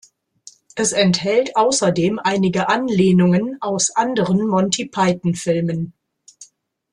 Es enthält außerdem einige Anlehnungen aus anderen Monty-Python-Filmen.